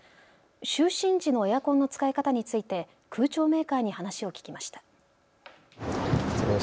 就寝時のエアコンの使い方について空調メーカーに話を聞きました。